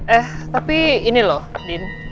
eh tapi ini loh din